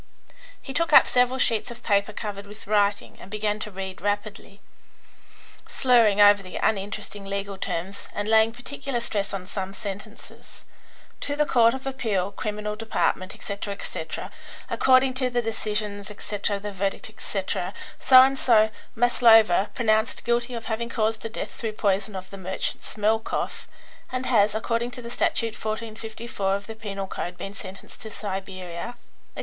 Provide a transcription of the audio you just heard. He took up several sheets of paper covered with writing, and began to read rapidly, slurring over the uninteresting legal terms and laying particular stress on some sentences. "To the Court of Appeal, criminal department, etc., etc. According to the decisions, etc., the verdict, etc., So and so Maslova pronounced guilty of having caused the death through poison of the merchant Smelkoff, and has, according to Statute 1454 of the penal code, been sentenced to Siberia," etc.